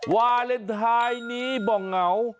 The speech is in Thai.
วาเลนไทยนี้บ่อเหงา